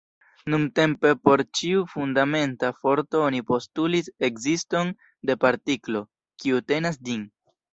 Nuntempe por ĉiu fundamenta forto oni postulis ekziston de partiklo, kiu tenas ĝin.